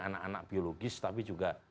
anak anak biologis tapi juga